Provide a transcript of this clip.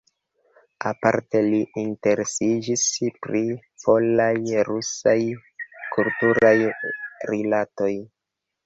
Aparte li interesiĝis pri polaj-rusaj kulturaj rilatoj.